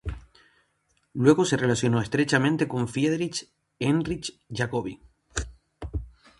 Luego se relacionó estrechamente con Friedrich Heinrich Jacobi.